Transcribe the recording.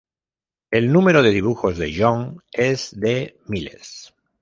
El número de dibujos de John es de miles.